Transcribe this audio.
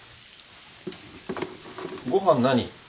ご飯何？